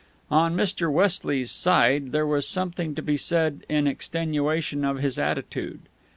On Mr. Westley's side, there was something to be said in extenuation of his attitude.